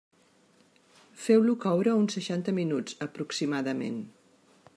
Feu-lo coure uns seixanta minuts aproximadament.